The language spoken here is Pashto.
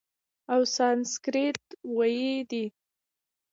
او سانسکریت ویی دی،